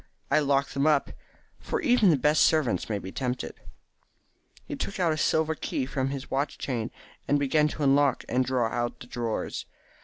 I lock them up, for even the best servants may be tempted." He took a silver key from his watch chain, and began to unlock and draw out the drawers.